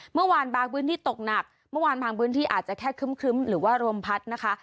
เมื่อวานบางพื้นที่ตกหนักเมื่อวานบางพื้นที่อาจจะแค่ครึ้มหรือว่าลมพัดนะคะ